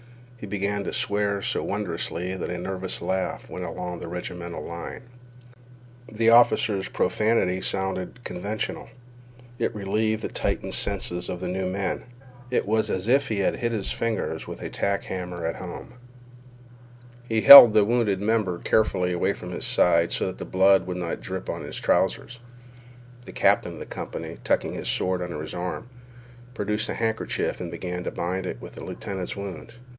He began to swear so wondrously that a nervous laugh went along the regimental line. The officer's profanity sounded conventional. It relieved the tightened senses of the new men. It was as if he had hit his fingers with a tack hammer at home. He held the wounded member carefully away from his side so that the blood would not drip upon his trousers. The captain of the company, tucking his sword under his arm, produced a handkerchief and began to bind with it the lieutenant's wound.